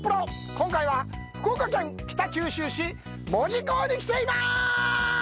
今回は、福岡県北九州市門司港に来ています！